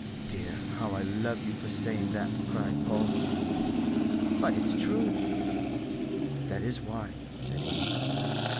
"Dear, how I love you for saying that!" cried Paul. "But it's true." "That is why," said he.